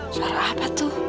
suara apa tuh